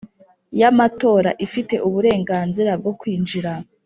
y amatora ifite uburenganzira bwo kwinjira